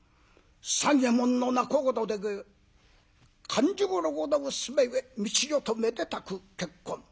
三右衛門の仲人で勘十郎の娘道代とめでたく結婚。